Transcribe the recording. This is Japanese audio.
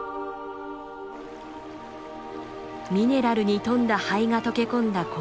ミネラルに富んだ灰が溶け込んだ